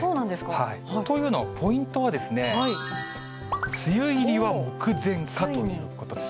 はい、というのはポイントはですね、梅雨入りは目前か？ということです。